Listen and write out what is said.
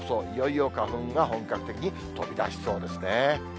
いよいよ花粉が本格的に飛びだしそうですね。